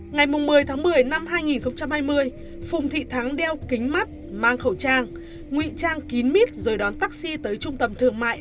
ngày một mươi tháng một mươi năm hai nghìn hai mươi phùng thị thắng đeo kính mắt mang khẩu trang ngụy trang kín mít rồi đón taxi tới trung tâm thương mại